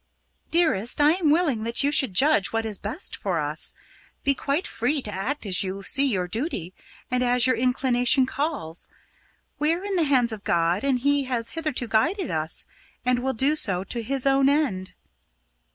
"Dearest, I am willing that you should judge what is best for us. Be quite free to act as you see your duty, and as your inclination calls. We are in the hands of God, and He has hitherto guided us, and will do so to His own end."